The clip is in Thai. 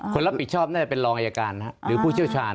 คนรับผิดชอบน่าจะเป็นรองอายการหรือผู้เชี่ยวชาญ